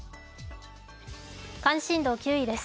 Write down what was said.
関心度９位です。